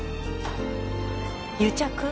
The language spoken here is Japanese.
癒着？